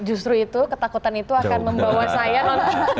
justru itu ketakutan itu akan membawa saya loh